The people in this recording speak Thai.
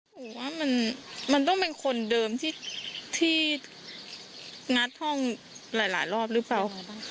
หนูว่ามันมันต้องเป็นคนเดิมที่ที่งัดห้องหลายหลายรอบรึเปล่า